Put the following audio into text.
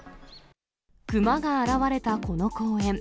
クマが現れたこの公園。